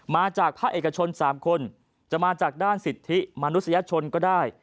มาจากภาคเอกชน๓คนจะมาจากด้านสิทธิมนุษยชนก็ได้